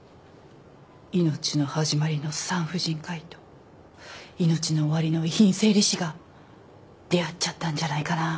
命の始まりの産婦人科医と命の終わりの遺品整理士が出会っちゃったんじゃないかな？